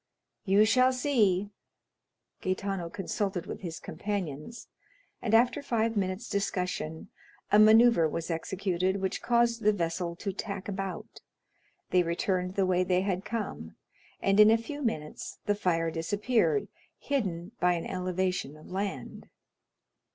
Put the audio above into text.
"You shall see." Gaetano consulted with his companions, and after five minutes' discussion a manœuvre was executed which caused the vessel to tack about, they returned the way they had come, and in a few minutes the fire disappeared, hidden by an elevation of the land.